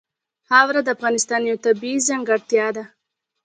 خاوره د افغانستان یوه طبیعي ځانګړتیا ده.